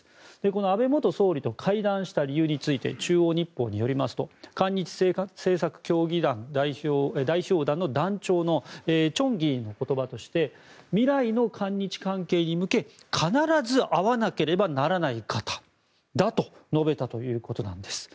この安倍元総理と会談した理由について中央日報によりますと韓日政策協議代表団団長のチョン議員の言葉として未来の韓日関係に向け必ず会わなければならない方だと述べたということなんです。